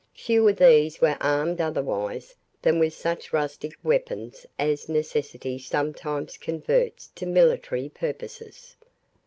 Few of these were armed otherwise than with such rustic weapons as necessity sometimes converts to military purposes.